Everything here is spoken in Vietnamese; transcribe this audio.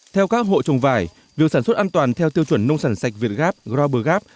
theo các hộ trồng vải việc sản xuất an toàn theo tiêu chuẩn nông sản sạch việt gap grober gap